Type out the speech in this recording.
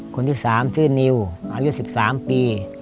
คนที่๓ชื่อนิวอายุ๑๓ปี